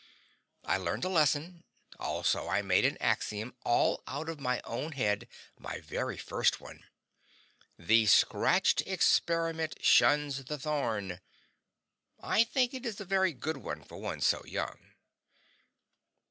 I learned a lesson; also I made an axiom, all out of my own head my very first one; THE SCRATCHED EXPERIMENT SHUNS THE THORN. I think it is a very good one for one so young.